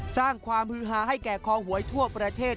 สร้างความฮือฮาให้แก่คอหวยทั่วประเทศ